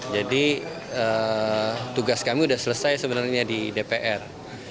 jadi tugas kami sudah selesai sebenarnya di dpr